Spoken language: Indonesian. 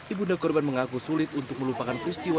ibu da korban mengaku sulit untuk melupakan peristiwa